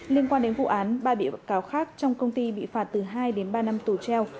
liên quan đến vụ án ba bị cáo khác trong công ty bị phạt từ hai đến ba năm tù treo